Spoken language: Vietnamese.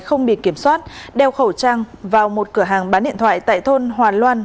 không bị kiểm soát đeo khẩu trang vào một cửa hàng bán điện thoại tại thôn hòa loan